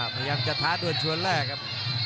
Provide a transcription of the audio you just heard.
พยายามจะท้าดวนชวนแรกครับ